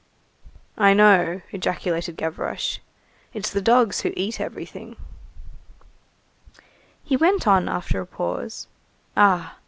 "I know," ejaculated Gavroche, "it's the dogs who eat everything." He went on, after a pause:— "Ah!